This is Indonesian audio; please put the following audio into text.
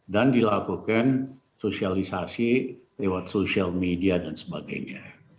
dan dilakukan sosialisasi lewat media sosial dan sebagainya